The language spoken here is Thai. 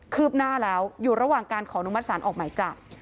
ืบหน้าแล้วอยู่ระหว่างการขอนุมัติศาลออกหมายจับ